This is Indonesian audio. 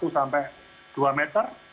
satu sampai dua meter